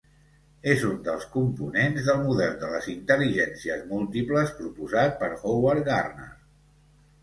És un dels components del model de les intel·ligències múltiples proposat per Howard Gardner.